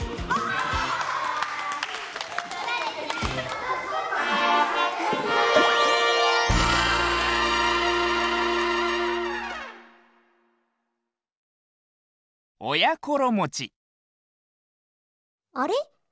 あれ？